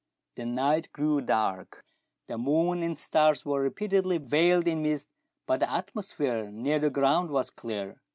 The night grew dark, the moon and stars were repeatedly veiled in mist, but the atmosphere near the ground was clear.